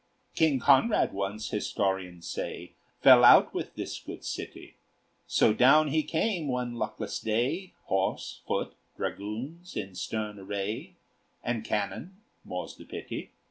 King Conrad once, historians say, Fell out with this good city; So down he came, one luckless day, Horse, foot, dragoons, in stern array, And cannon, more's the pity!